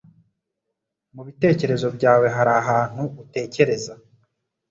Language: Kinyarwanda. mu bitekerezo byawe hari ahantu utekereza